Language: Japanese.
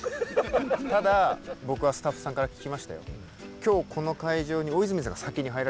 ただ僕はスタッフさんから聞きましたよ。